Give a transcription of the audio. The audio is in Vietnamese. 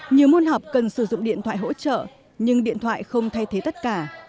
nhiều môn học cần sử dụng điện thoại hỗ trợ nhưng điện thoại không thay thế tất cả